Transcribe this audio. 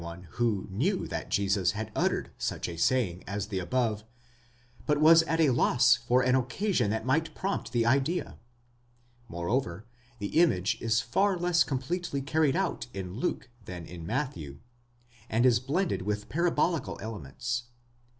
one who knew that Jesus had uttered such a saying as the above, but was at a loss for an occasion that might prompt the idea; moreover, the image is far less completely carried out in Luke than in Matthew, and is blended with parabolical elements.